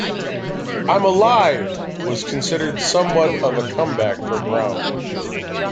"I'm Alive" was considered somewhat of a comeback for Browne.